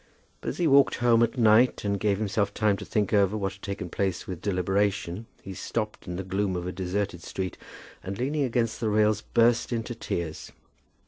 But as he walked home at night, and gave himself time to think over what had taken place with deliberation, he stopped in the gloom of a deserted street and leaning against the rails burst into tears.